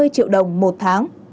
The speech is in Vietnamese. hai mươi triệu đồng một tháng